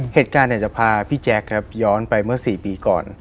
เหตุการณ์จะพาพี่แจ๊คครับย้อนไปเมื่อ๔ปีก่อน